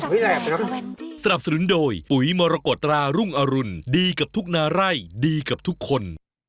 สนับสนุนโดยปุ๋ยมรกฎรารุ่งอรุณดีกับทุกนาไร่ดีกับทุกคน